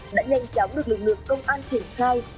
đã nhanh chóng được lực lượng công an triển khai